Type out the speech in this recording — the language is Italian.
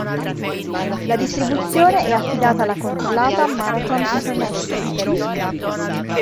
La distribuzione è affidata alla controllata "Marathon International".